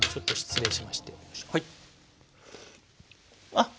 あっ！